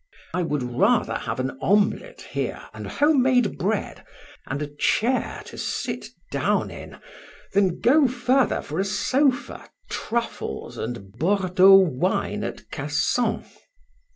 "I would rather have an omelette here and home made bread, and a chair to sit down in, than go further for a sofa, truffles, and Bordeaux wine at Cassan."